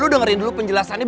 lu dengerin dulu penjelasannya